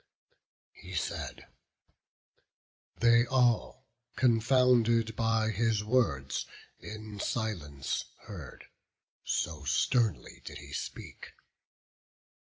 He said; they all, confounded by his words, In silence heard; so sternly did he speak.